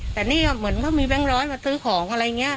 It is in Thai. แต่นี่เหมือนเขามีแบงค์ร้อยมาซื้อของอะไรอย่างนี้